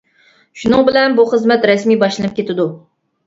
شۇنىڭ بىلەن بۇ خىزمەت رەسمىي باشلىنىپ كېتىدۇ.